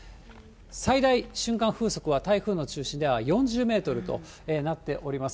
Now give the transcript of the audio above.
最大瞬間風速は台風の中心では４０メートルとなっております。